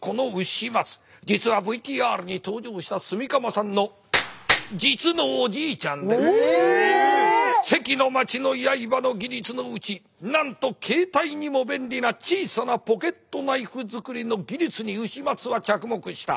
実はＶＴＲに登場した関の町の刃の技術のうちなんと携帯にも便利な小さなポケットナイフ作りの技術に丑松は着目した。